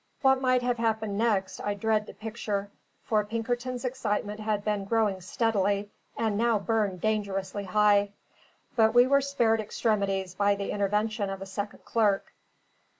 What might have happened next I dread to picture, for Pinkerton's excitement had been growing steadily, and now burned dangerously high; but we were spared extremities by the intervention of a second clerk.